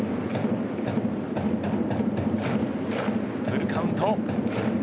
フルカウント。